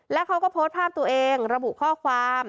แล้วเขาก็โพสต์ภาพตัวเองระบุข้อความ